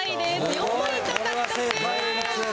４ポイント獲得。